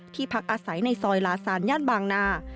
พักอาศัยในซอยลาซานย่านบางนา